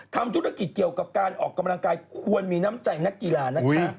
ทำธุรกิจเกี่ยวกับการออกกำลังกายควรมีน้ำใจนักกีฬานะคะ